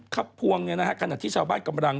ขับพวงเนี่ยนะฮะขณะที่ชาวบ้านกำลัง